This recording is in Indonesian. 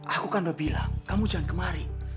aku kan udah bilang kamu jangan kemari